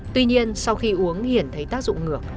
tuy nhiên sau khi uống hiển thấy tác dụng ngược